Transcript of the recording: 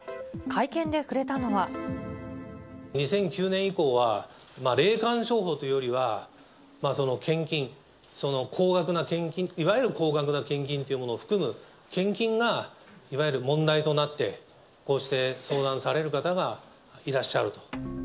２００９年以降は、霊感商法というよりは、献金、その高額な献金、高額な献金というものを含む、献金が、いわゆる問題となって、こうして相談される方がいらっしゃると。